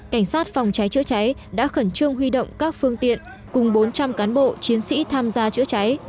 cảnh sát phòng cháy chữa cháy đã khẩn trương huy động các phương tiện cùng bốn trăm linh cán bộ chiến sĩ tham gia chữa cháy